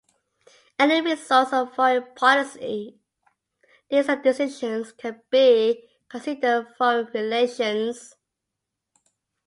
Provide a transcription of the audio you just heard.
Any results of foreign policy dealings and decisions can be considered foreign relations.